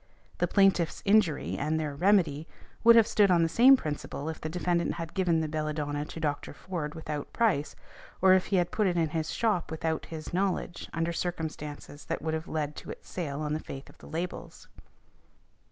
The plaintiffs' injury and their remedy would have stood on the same principle if the defendant had given the belladonna to Dr. Foord without price, or if he had put it in his shop without his knowledge under circumstances that would have led to its sale on the faith of the labels."